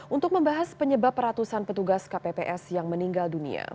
untuk membahas penyebab ratusan petugas kpps yang meninggal dunia